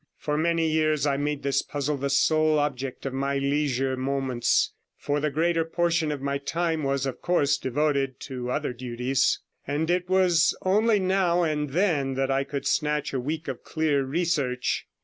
For many years I made this puzzle the sole object of my leisure moments, for the greater portion of my time was, of course, devoted to other duties, and it was only now and then that I could snatch a week of clear research.